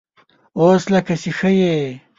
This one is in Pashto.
_اوس لکه چې ښه يې؟